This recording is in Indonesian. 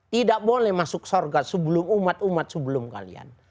tidak boleh masuk sorga sebelum umat umat sebelum kalian